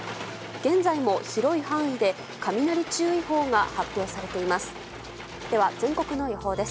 現在も広い範囲で雷注意報が発表されています。